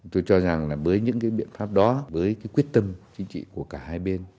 tôi cho rằng với những biện pháp đó với quyết tâm chính trị của cả hai bên